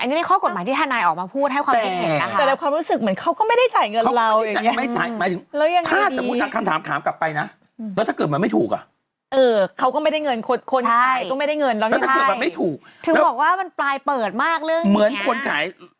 อันนี้นี่ข้อกฎหมายที่ธนายออกมาพูดให้ความคิดเห็นนะคะ